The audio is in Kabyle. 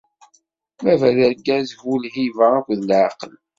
Baba, d argaz bu lhiba akked laɛqel.